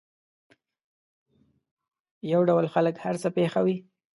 یو ډول خلک هر څه پېښوي.